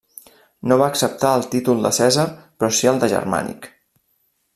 No va acceptar el títol de Cèsar però si el de Germànic.